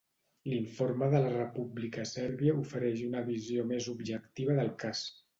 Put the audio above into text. L'informe de la República Sèrbia ofereix una visió més objectiva del cas.